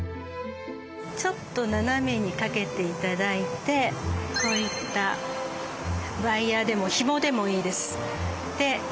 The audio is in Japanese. ちょっと斜めにかけて頂いてこういったワイヤーでもヒモでもいいです。